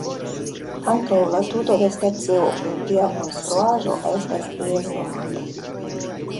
Ankaŭ la tuto de stacio kun tia konstruaĵo estas tiel nomata.